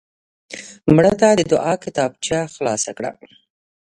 مړه ته د دعا کتابچه خلاص کړه